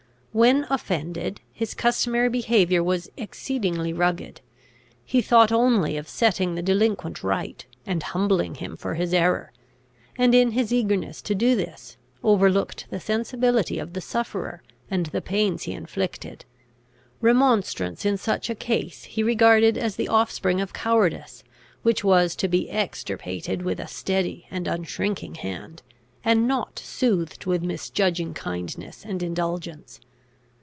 When offended, his customary behaviour was exceedingly rugged. He thought only of setting the delinquent right, and humbling him for his error; and, in his eagerness to do this, overlooked the sensibility of the sufferer, and the pains he inflicted. Remonstrance in such a case he regarded as the offspring of cowardice, which was to be extirpated with a steady and unshrinking hand, and not soothed with misjudging kindness and indulgence.